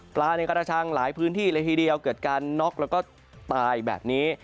ในกระชังหลายพื้นที่เลยทีเดียวเกิดการน็อกแล้วก็ตายแบบนี้